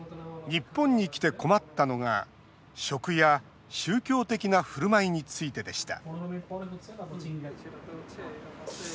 日本に来て困ったのが食や宗教的なふるまいについてでした。